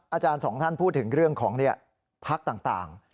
อาจารย์สองท่านพูดถึงเรื่องของพักต่าง